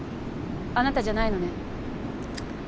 あなたじゃないのね？